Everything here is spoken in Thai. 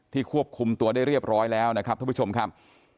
ควบคุมตัวได้เรียบร้อยแล้วนะครับท่านผู้ชมครับ